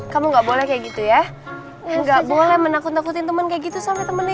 kamu nggak boleh kayak gitu ya nggak boleh menakut nakutin temen kayak gitu sampai temennya